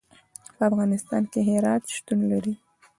په افغانستان کې هرات شتون لري.